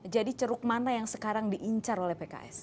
jadi ceruk mana yang sekarang diincar oleh pks